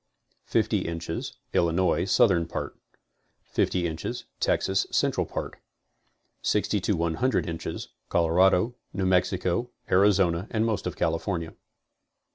50 inches, Illinois, Southern part. 50 inches, Texas, Central part. 60 to 100 inches, Colorado, New Mexico, Arizona and most of California.